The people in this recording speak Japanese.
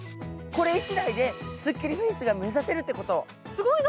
これ１台ですっきりフェイスが目指せるってこと。